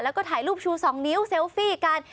แล้วก็ถ่ายรูปชู๒นิ้วเซลฟี่กัน